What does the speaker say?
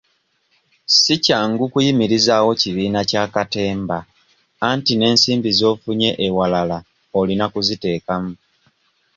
Si kyangu kuyimirizaawo kibiina kya katemba anti n'ensimbi z'ofunye ewalala olina ku ziteekamu.